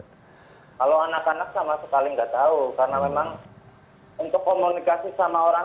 kalau anak anak sama sekali nggak tahu karena memang untuk komunikasi sama orang